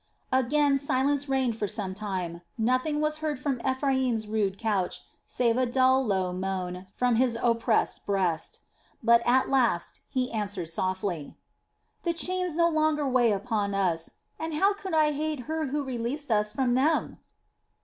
Again silence reigned for some time, nothing was heard from Ephraim's rude couch save a dull, low moan from his oppressed breast; but at last he answered softly: "The chains no longer weigh upon us, and how could I hate her who released us from them?"